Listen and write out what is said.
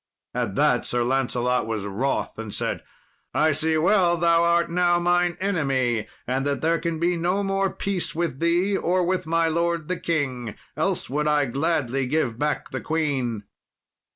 At that Sir Lancelot was wroth, and said, "I well see thou art now mine enemy, and that there can be no more peace with thee, or with my lord the king, else would I gladly give back the queen."